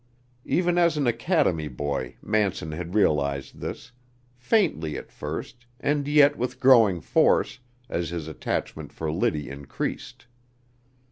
Even as an academy boy Manson had realized this; faintly at first, and yet with growing force, as his attachment for Liddy increased.